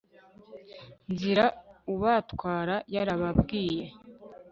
Nzira ubatwara yarababwiye